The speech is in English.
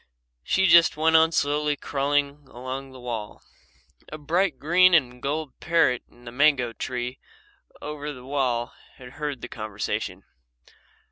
She just went on slowly crawling along the wall. A bright green and gold parrot in the mango tree over the wall had heard the conversation.